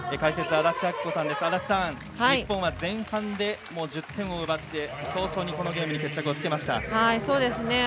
安達さん、日本は前半で１０点を奪って早々にゲームに決着をつけました。